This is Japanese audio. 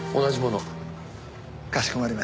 同じものを。